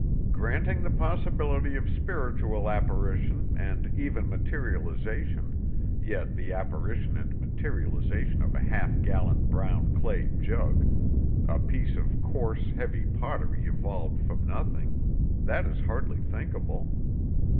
"Granting the possibility of spiritual apparition and even materialization, yet the apparition and materialization of a half gallon brown clay jug—a piece of coarse, heavy pottery evolved from nothing—that is hardly thinkable."